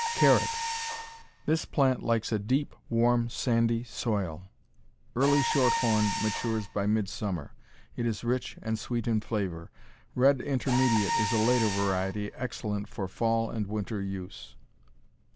Carrot This plant likes a deep, warm, sandy soil. Early Short Horn matures by midsummer. It is rich and sweet in flavor. Red Intermediate is a later variety, excellent for fall and winter use.